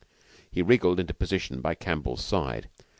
He wriggled into position by Campbell's side.